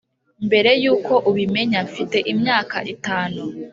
mbere yuko ubimenya, mfite imyaka itanu